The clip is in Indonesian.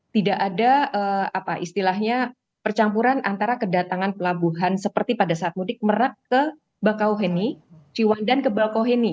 tidak ada apa istilahnya percampuran antara kedatangan pelabuhan seperti pada saat mudik merak ke bakauheni ciwandan ke bakoheni